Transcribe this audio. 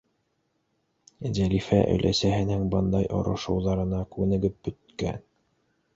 Зәлифә өләсәһенең бындай орошоуҙарына күнегеп бөткән.